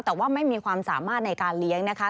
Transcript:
แต่ว่าไม่มีความสามารถในการเลี้ยงนะคะ